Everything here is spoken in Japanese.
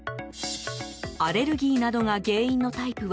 アレルギーなどが原因のタイプは